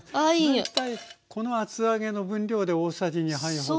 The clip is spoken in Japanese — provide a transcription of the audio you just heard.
大体この厚揚げの分量で大さじ２杯ほど？